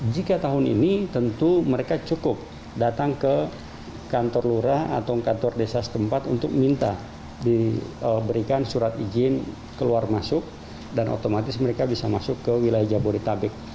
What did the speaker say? jika tahun ini tentu mereka cukup datang ke kantor lurah atau kantor desa setempat untuk minta diberikan surat izin keluar masuk dan otomatis mereka bisa masuk ke wilayah jabodetabek